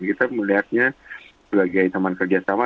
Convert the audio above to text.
kita melihatnya sebagai teman kerja sama